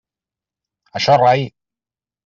Això rai.